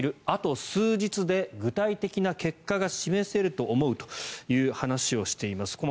あと数日で具体的な結果が示せると思うという話をしています。